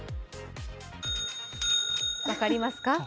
分かりますか？